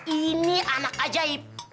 ini anak ajaib